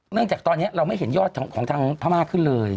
จากตอนนี้เราไม่เห็นยอดของทางพม่าขึ้นเลย